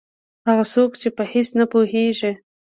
هغه څوک چې په هېڅ نه پوهېږي.